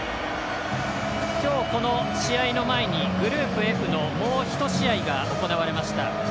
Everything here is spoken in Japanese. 今日この試合の前にグループＦのもう１試合が行われました。